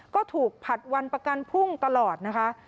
ก็ถูกผลัดวันประกันพุ่งตลอดนะคะ